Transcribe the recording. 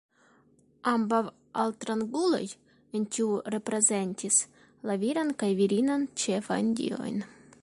Ambaŭ altranguloj en tio reprezentis la viran kaj virinan ĉefajn diojn.